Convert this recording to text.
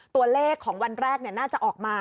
ตัวเลขของวันแรกน่าจะออกมา